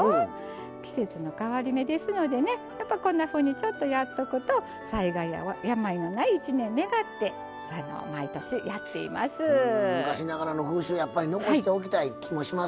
季節の変わり目ですのでちょっとこんなふうにやっておくと災害や病のない一年を願って毎年やっています。